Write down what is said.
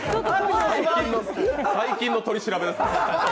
最近の取り調べです。